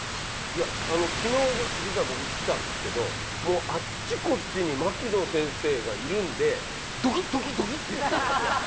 いやあの昨日実は僕来たんですけどもうあっちこっちに牧野先生がいるんでドキッドキッドキッて。